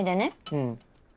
うん。